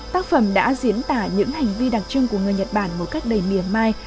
tác phẩm đã diễn tả những hành vi đặc trưng của người nhật bản một cách đầy mỉa mai